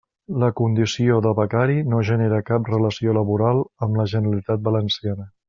La condició de becari no genera cap relació laboral amb la Generalitat Valenciana.